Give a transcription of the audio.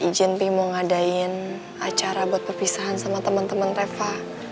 minta izin pih mau ngadain acara buat perpisahan sama temen temen reva